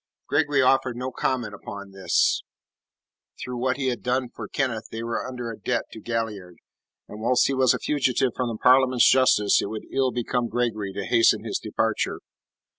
Gregory offered no comment upon this; through what he had done for Kenneth they were under a debt to Galliard, and whilst he was a fugitive from the Parliament's justice it would ill become Gregory to hasten his departure.